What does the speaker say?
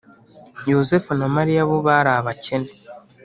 . Yosefu na Mariya bo bari abakene